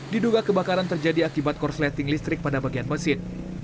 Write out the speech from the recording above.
diduga kebakaran terjadi akibat korsleting listrik pada bagian mesin